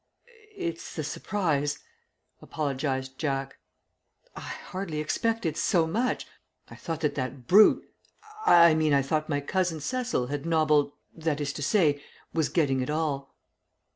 "It's the surprise," apologised Jack. "I hardly expected so much. I thought that that brute I mean I thought my cousin Cecil had nobbled that is to say, was getting it all."